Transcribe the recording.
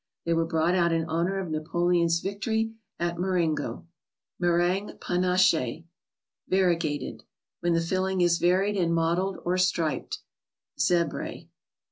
They were brought out in honor of Napoleon's victory at Mar¬ engo. ^crtttgite ^anacljk (a&arfegateti). When the filling is varied and mottled, or striped (z£br£).